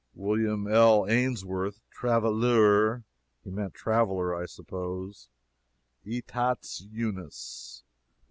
"Wm. L. Ainsworth, travailleur (he meant traveler, I suppose,) Etats Unis.